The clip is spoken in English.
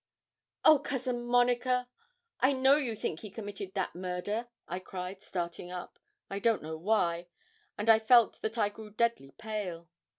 'Oh! Cousin Monica, I know you think he committed that murder,' I cried, starting up, I don't know why, and I felt that I grew deadly pale.